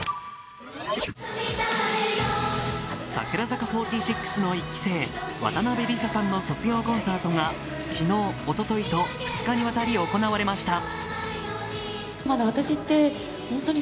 櫻坂４６の１期生、渡邉理佐さんの卒業コンサートが昨日、おとといと２日にわたり行われました。